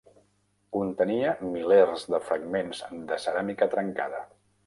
Contenia milers de fragments de ceràmica trencada.